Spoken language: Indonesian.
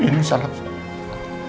ini salah saya